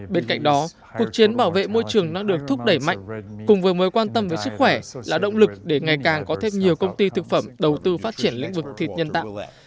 bên cạnh đó cuộc chiến bảo vệ môi trường đang được thúc đẩy mạnh cùng với mối quan tâm với sức khỏe là động lực để ngày càng có thêm nhiều công ty thực phẩm đầu tư phát triển lĩnh vực thịt nhân tạo